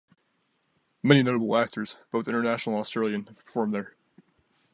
Many notable actors, both international and Australian, have performed there.